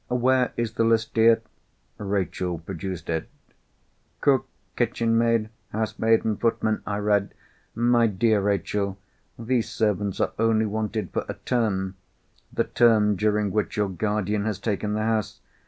"Where is the list, dear?" Rachel produced it. "Cook, kitchen maid, housemaid, and footman," I read. "My dear Rachel, these servants are only wanted for a term—the term during which your guardian has taken the house.